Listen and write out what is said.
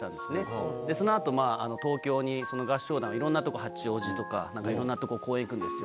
その後東京にその合唱団はいろんなとこ八王子とかいろんなとこ公演行くんですよ